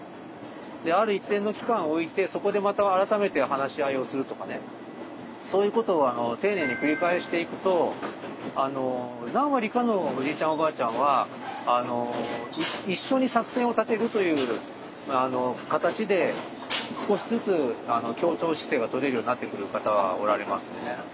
である一定の期間を置いてそこでまた改めて話し合いをするとかねそういうことを丁寧に繰り返していくと何割かのおじいちゃんおばあちゃんは一緒に作戦を立てるという形で少しずつ協調姿勢が取れるようになってくる方はおられますね。